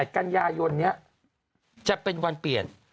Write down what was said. กันยายนนี้จะเป็นวันเปลี่ยน